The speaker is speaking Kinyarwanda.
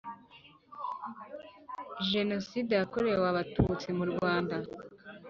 Genocide yakorewe Abatutsi mu Rwanda